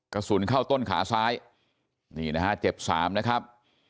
กระสุนเข้าต้นขาซ้ายนี่นะฮะเจ็บสามนะครับ